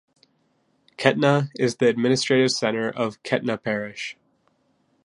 Kehtna is the administrative centre of Kehtna Parish.